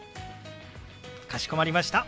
かしこまりました。